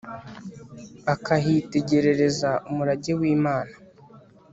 akahitegerereza umurage w'imana